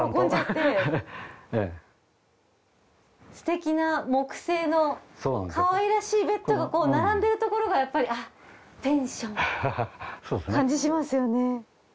すてきな木製のかわいらしいベッドが並んでるところがやっぱりあっペンション感じしますよね。